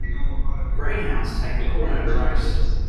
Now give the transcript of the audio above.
Greyhounds take a corner at a race.